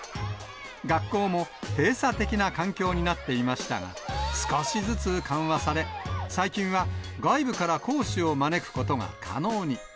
学校も、閉鎖的な環境になっていましたが、少しずつ緩和され、最近は外部から講師を招くことが可能に。